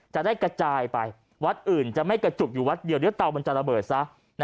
จะได้กระจายไปวัดอื่นจะไม่กระจุกอยู่วัดเดียวเดี๋ยวเตามันจะระเบิดซะ